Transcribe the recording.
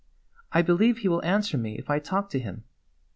I believe lie will answer me if I talk to him.